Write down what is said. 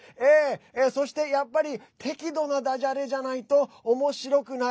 そして、やっぱり適度なだじゃれじゃないとおもしろくない。